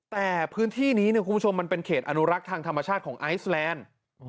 แต่พื้นที่นี้คุณผู้ชมมันเป็นเขตอนุรักษ์ทางธรรมชาติของไอซแลนด์